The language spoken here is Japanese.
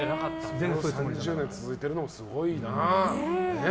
３０年続いてるのもすごいな。